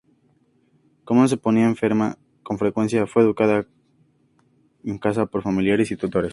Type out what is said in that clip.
Como se ponía enferma con frecuencia, fue educada en casa por familiares y tutores.